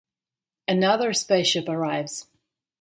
Another spaceship arrives.